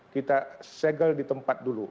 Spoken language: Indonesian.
kita segel di tempat dulu